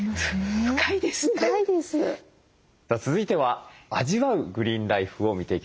続いては味わうグリーンライフを見ていきます。